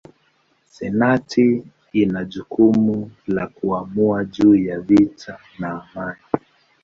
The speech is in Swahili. Senati ina jukumu la kuamua juu ya vita na amani.